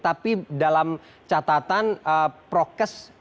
tapi dalam catatan prokes